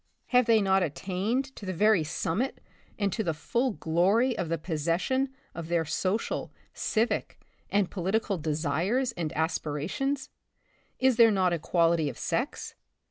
Have they not attained to the very summit and to the full glory of the possession of their social, civic and political desires and aspirations? Is there not equality of sex?